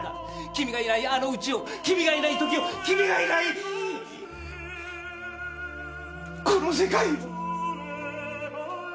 君がいないあの家を君がいない時を君がいないこの世界を。